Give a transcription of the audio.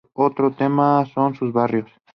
Otro tema son sus barrios.